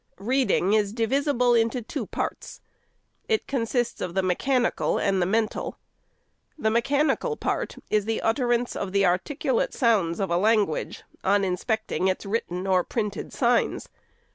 Reading is divisible into two parts. It consists of the mechanical and the mental. The mechanical part is the utterance of the articulate sounds of a language, on inspecting its written or printed signs.